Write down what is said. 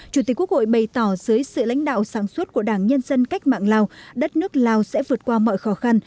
chủ tịch quốc hội bày tỏ dưới sự lãnh đạo sáng suốt của đảng nhân dân cách mạng lào đất nước lào sẽ vượt qua mọi khó khăn